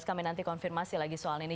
kami nanti konfirmasi lagi soal ini